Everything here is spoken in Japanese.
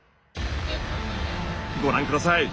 ご覧下さい。